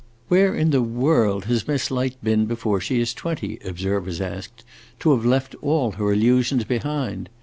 "Where in the world has Miss Light been before she is twenty," observers asked, "to have left all her illusions behind?"